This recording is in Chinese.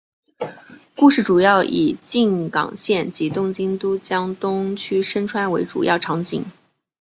故事主要以静冈县及东京都江东区深川为主要场景。